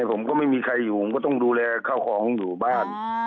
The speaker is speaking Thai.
ผมก็ไม่มีใครอยู่ผมก็ต้องดูแลข้าวของอยู่บ้าน